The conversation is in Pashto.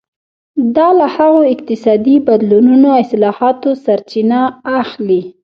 دا له هغو اقتصادي بدلونونو او اصلاحاتو سرچینه اخلي.